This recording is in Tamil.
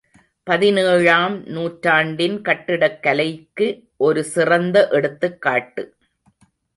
பதினேழாம் நூற்றாண்டின் கட்டிடக் கலைக்கு ஒரு சிறந்த எடுத்துக்காட்டு.